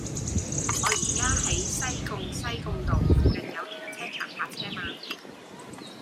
我依家喺西貢西貢道，附近有停車場泊車嗎